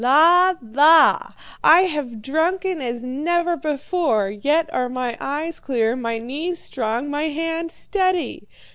Lalah! I have drunken as never before, yet are my eyes clear, my knees strong, my hand steady.'